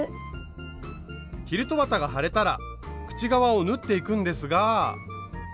キルト綿が貼れたら口側を縫っていくんですが。